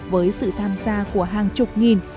với sự tham gia của hàng chục nghìn